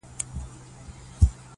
توره شپه يې سوله جوړه پر چشمانو!!